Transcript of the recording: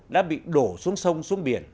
đã bị đổ xuống sông xuống biển